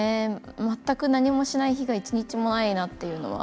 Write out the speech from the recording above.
全く何もしない日が一日もないなというのは